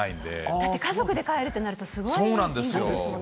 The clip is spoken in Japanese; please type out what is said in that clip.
だって家族で帰るとなると、すごい金額ですよね。